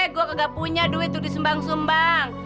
gue gak punya duit tuh disumbang sumbang